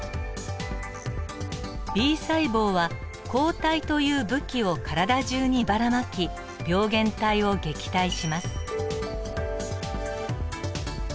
Ｂ細胞は抗体という武器を体中にばらまき病原体を撃退します。